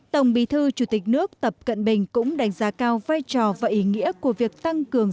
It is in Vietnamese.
tổng bí thư chủ tịch nước tập cận bình cũng đánh giá cao vai trò và ý nghĩa của việc tăng cường